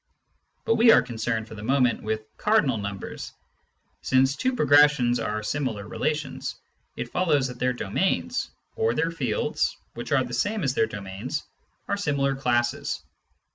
But we are concerned, for the moment, with cardinal numbers. Since two progressions are similar relations, it follows that their domains (or their fields, which are the same as their domains) are similar classes.